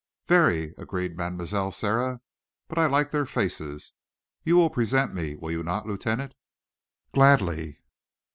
"Very," agreed Mademoiselle Sara. "But I like their faces. You will present me, will you not, Lieutenant?" "Gladly."